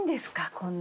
こんな。